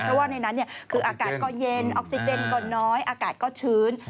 เพราะว่าในนั้นคืออากาศก็เย็นออกซิเจนก็น้อยอากาศก็ชื้น